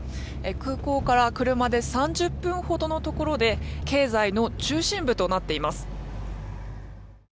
空港から車で３０分ほどのところで経済の中心部となっています。